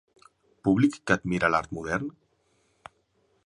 Públic que admira l'art modern?